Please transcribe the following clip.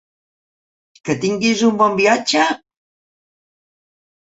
Que tinguis un bon viatge?